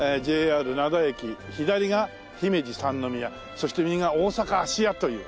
左が「姫路三宮」そして右が「大阪芦屋」という。